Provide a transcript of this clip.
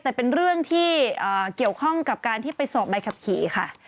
แต่เป็นเรื่องที่เกี่ยวข้องกับการที่ไปสอบใบขับขี่ค่ะ